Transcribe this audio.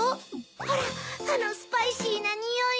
ほらあのスパイシーなにおい！